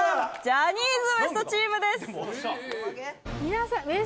ジャニーズＷＥＳＴチームです